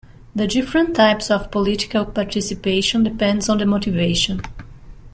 The different types of political participation depends on the motivation.